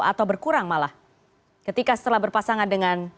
atau berkurang malah ketika setelah berpasangan dengan